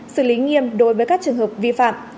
xử lý nghiêm đối với các trường hợp vi phạm